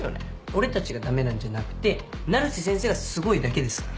俺たちが駄目なんじゃなくて成瀬先生がすごいだけですから。